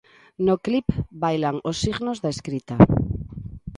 No clip bailan os signos da escrita.